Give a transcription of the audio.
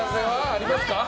あります。